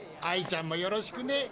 アイちゃんもよろしくね。